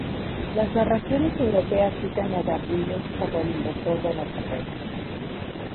Las narraciones europeas citan a Gambrinus como el inventor de la cerveza.